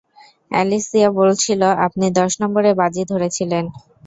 Alicia বলছিল আপনি দশ নম্বরে বাজি ধরেছিলেন।